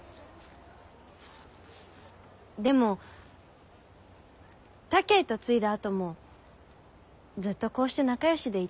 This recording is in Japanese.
でも他家へ嫁いだあともずっとこうして仲よしでいたいのう。